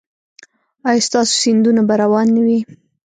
ایا ستاسو سیندونه به روان نه وي؟